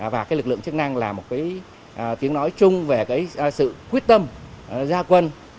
và cái lực lượng chức năng là một cái tiếng nói chung về cái sự quyết tâm gia quân